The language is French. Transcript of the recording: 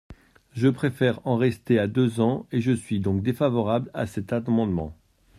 Je préfère en rester à deux ans et je suis donc défavorable à cet amendement.